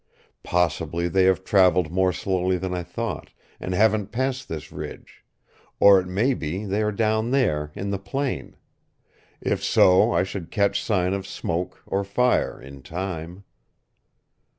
Possibly they have traveled more slowly than I thought, and haven't passed this ridge; or it may be they are down there, in the plain. If so I should catch sign of smoke or fire in time."